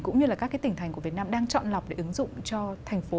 cũng như là các cái tỉnh thành của việt nam đang chọn lọc để ứng dụng cho thành phố